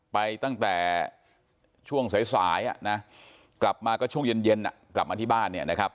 ไปตั้งแต่ช่วงสายกลับมาก็ช่วงเย็นกลับมาที่บ้านเนี่ยนะครับ